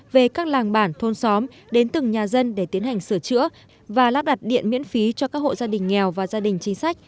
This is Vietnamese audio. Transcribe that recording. về các làng bản thôn xóm đến từng nhà dân để tiến hành sửa chữa và lắp đặt điện miễn phí cho các hộ gia đình nghèo và gia đình chính sách